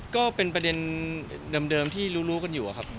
ก็เป็นประเด็นเดิมที่รู้กันอยู่ครับ